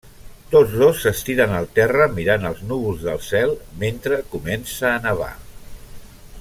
Tots dos s'estiren al terra mirant els núvols del cel mentre comença a nevar.